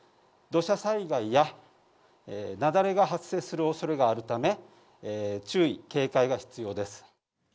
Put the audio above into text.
土砂災害や、雪崩が発生するおそれがあるため、注意・警戒が必要です。